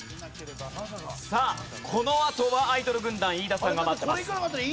さあこのあとはアイドル軍団飯田さんが待ってます。